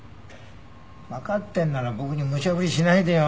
わかってるなら僕にむちゃぶりしないでよ。